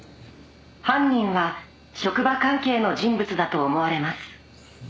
「犯人は職場関係の人物だと思われます」